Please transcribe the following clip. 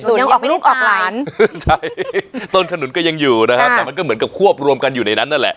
ยังออกลูกออกหลานใช่ต้นขนุนก็ยังอยู่นะครับแต่มันก็เหมือนกับควบรวมกันอยู่ในนั้นนั่นแหละ